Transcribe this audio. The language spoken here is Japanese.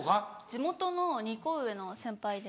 地元の２コ上の先輩です。